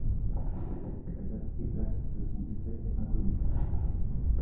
La date exacte de son décès est inconnue.